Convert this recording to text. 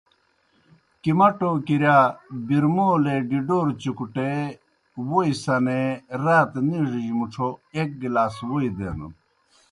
کِمٹو کِرِیا برمولے ڈِڈَوروْ چُکٹے ووئی سنے، راتہ نِیڙِجیْ مُڇھوْ ایْک گلاس ووئی دینَن۔